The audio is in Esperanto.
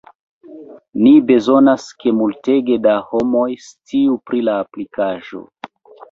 Ni bezonas, ke multege da homoj sciu pri la aplikaĵo